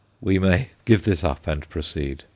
We may "give this up" and proceed.